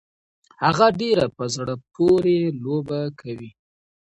هغه ډيره په زړه پورې لوبه کوي.